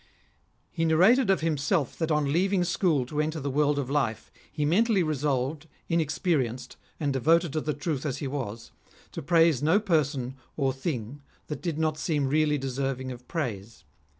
He narrated of himself that on leaving school to enter the world of life, he mentally resolved, inexperienced, and devoted to truth as he was, to praise no. person or thing that did not seem really deserving of praise.